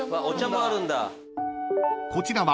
［こちらは］